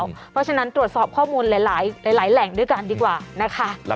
เพราะฉะนั้นตรวจสอบข้อมูลหลายแหล่งด้วยกันดีกว่านะคะ